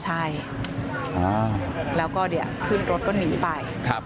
ใช่แล้วก็เดี๋ยวขึ้นรถก็หนีไป